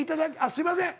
すいません。